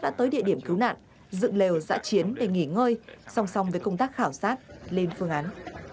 đã tới địa điểm cứu nạn dựng lều giã chiến để nghỉ ngơi song song với công tác khảo sát lên phương án